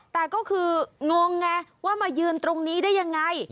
แต่ก็คืองงไงว่ามายืนตรงนี้ได้ยังไง